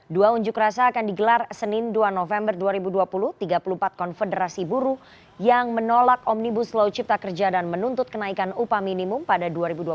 dua unjuk rasa akan digelar senin dua november dua ribu dua puluh tiga puluh empat konfederasi buruh yang menolak omnibus law cipta kerja dan menuntut kenaikan upah minimum pada dua ribu dua puluh